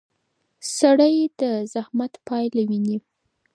سړی د زحمت پایله ویني